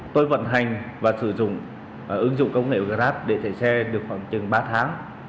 tôi vận hành và sử dụng ứng dụng công nghệ grab để chạy xe được khoảng chừng ba tháng